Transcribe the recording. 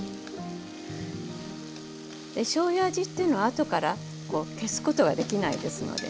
しょうゆ味っていうのは後から消すことができないですので。